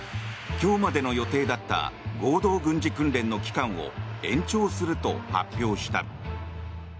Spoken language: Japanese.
今日までの予定だった合同軍事訓練の期間を延長すると発表した。